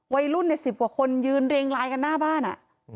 วัยรุ่น๑๐กว่าคนยืนเรียงลายกันหน้าบ้าน